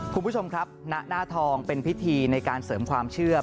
คุณผู้ชมครับณหน้าทองเป็นพิธีในการเสริมความเชื่อ